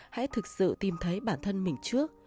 hãy thực sự tìm thấy bản thân mình trước